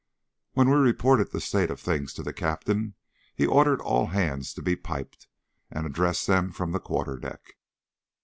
When we reported the state of things to the Captain, he ordered all hands to be piped, and addressed them from the quarterdeck.